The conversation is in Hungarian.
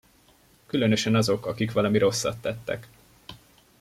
Különösen azok, akik valami rosszat tettek.